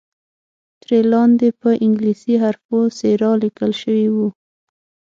ترې لاندې په انګلیسي حروفو سیرا لیکل شوی وو.